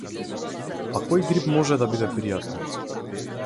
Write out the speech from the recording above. Па кој грип може да биде пријатен?